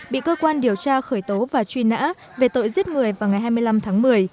bị cơ quan điều tra khởi tố và truy nã về tội giết người vào ngày hai mươi năm tháng một mươi